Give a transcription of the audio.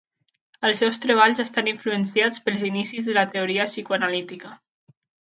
Els seus treballs estan influenciats pels inicis de la teoria psicoanalítica.